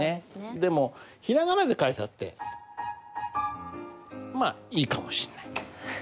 でもひらがなで書いたってまあいいかもしんないけど。